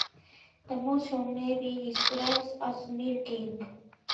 The motion may be described as "milking".